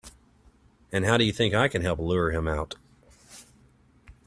And how do you think I can help lure him out?